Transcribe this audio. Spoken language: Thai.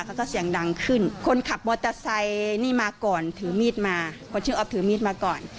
เขาก็เสียงดังขึ้นคนขับมอเตอร์ไซค์นี่มาก่อนถือมีดมาเพราะชื่ออ๊อฟถือมีดมาก่อน